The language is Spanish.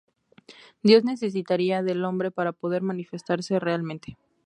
Dios necesitaría del hombre para poder manifestarse realmente.